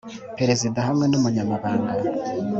perezida hamwe n umunyamabanga